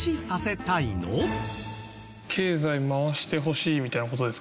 経済回してほしいみたいな事ですか？